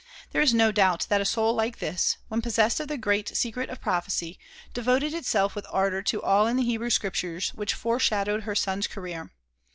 There is no doubt that a soul like this, when possessed of the great secret of prophecy, devoted itself with ardor to all in the Hebrew Scriptures which foreshadowed her son's career.